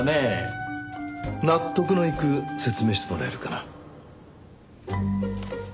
納得のいく説明してもらえるかな？